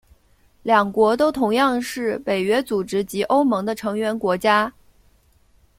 两国都同样是北约组织及欧盟的成员国家。